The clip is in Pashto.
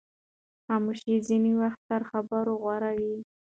خاموشي ځینې وخت تر خبرو غوره وي.